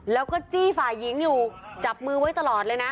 แล้วก็จี้ฝ่ายหญิงอยู่จับมือไว้ตลอดเลยนะ